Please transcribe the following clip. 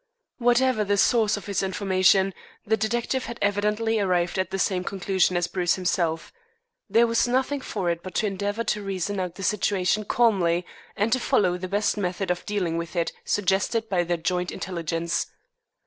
Whatever the source of his information, the detective had evidently arrived at the same conclusion as Bruce himself. There was nothing for it but to endeavor to reason out the situation calmly and follow the best method of dealing with it suggested by their joint intelligence.